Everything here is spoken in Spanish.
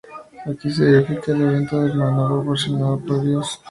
Aquí se verifica el evento del maná proporcionado por Dios.